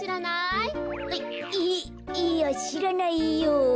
いいやしらないよ。